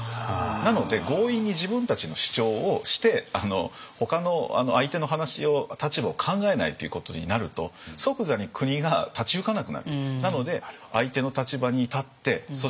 なので強引に自分たちの主張をしてほかの相手の立場を考えないということになると即座に国が立ち行かなくなる。